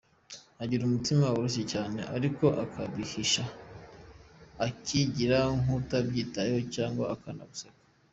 Agira umutima woroshye cyane ariko akabihisha akigira nk’utabyitayeho cyangwa akanaguseka.